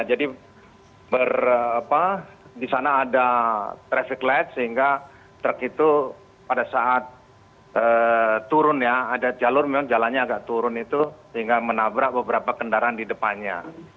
jadi di sana ada traffic light sehingga truk itu pada saat turun ya ada jalur memang jalannya agak turun itu sehingga menabrak beberapa kendaraan di depannya